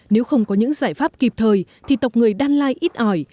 nếu không có những giải pháp kịp thời thì tộc người đan lai ít ỏi